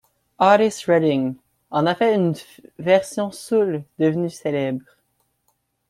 Otis Redding en a fait une version soul devenue célèbre.